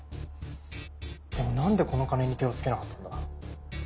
でもなんでこの金に手をつけなかったんだ？